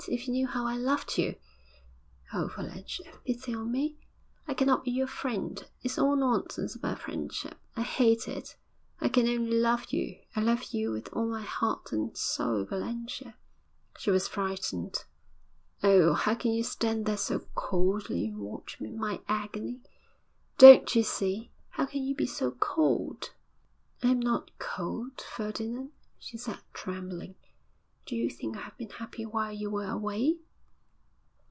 If you knew how I loved you! Oh, Valentia, have pity on me! I cannot be your friend. It's all nonsense about friendship; I hate it. I can only love you. I love you with all my heart and soul, Valentia.' She was frightened. 'Oh! how can you stand there so coldly and watch my agony? Don't you see? How can you be so cold?' 'I am not cold, Ferdinand,' she said, trembling. 'Do you think I have been happy while you were away?'